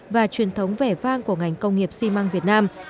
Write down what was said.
và truyền thống vẻ vang của ngành công nghiệp xi măng việt nam